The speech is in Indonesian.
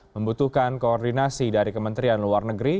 membutuhkan koordinasi dari kementerian luar negeri